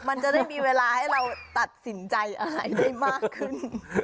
มันจะได้มีเวลาให้เราตัดสินใจอะไรได้มากขึ้น